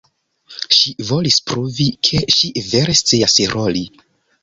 Ŝi volis pruvi, ke ŝi vere scias roli.